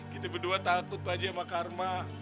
kita berdua takut pak haji sama karma